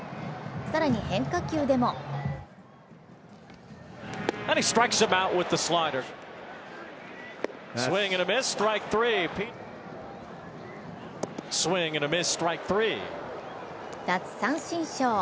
更に変化球でも奪三振ショー。